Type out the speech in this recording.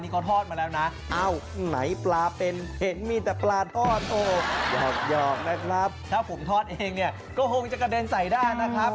ก็คงจะกระเด็นใส่ได้นะครับ